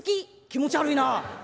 「気持ち悪いなあ！